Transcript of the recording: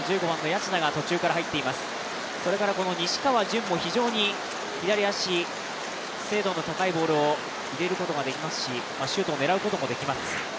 西川潤も非常に左足、精度の高いボールを入れることができますしシュートを狙うこともできます。